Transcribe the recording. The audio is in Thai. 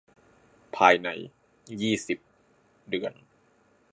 ภายใน ยี่สิบ เดือน